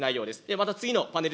また次のパネル